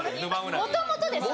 もともとです。